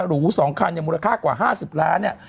หรู๒คันเนี่ยมูลค่ากว่า๕๐ล้านเนี่ย